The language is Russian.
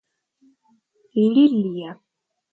Лилия